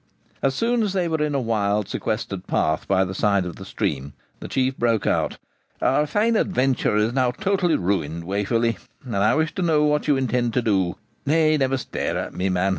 As soon as they were in a wild sequestered path by the side of the stream, the Chief broke out 'Our fine adventure is now totally ruined, Waverley, and I wish to know what you intend to do; nay, never stare at me, man.